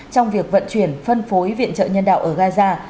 trong việc vận chuyển phân phối viện trợ nhân đạo ở gaza